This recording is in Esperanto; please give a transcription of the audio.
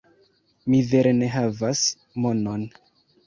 Mi vere ne havas monon